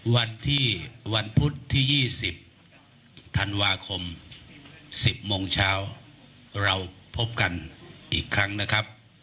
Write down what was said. วันที่วันพุธที่๒๐ธันวาคม๑๐โมงเช้าเราพบกันอีกครั้งนะครับ